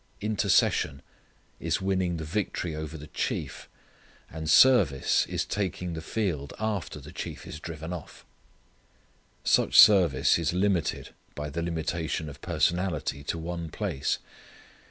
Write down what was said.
Intercession is winning the victory over the chief, and service is taking the field after the chief is driven off. Such service is limited by the limitation of personality to one place.